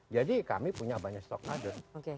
jadi kami punya banyak stok kader